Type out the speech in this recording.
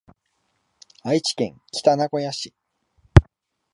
愛知県北名古屋市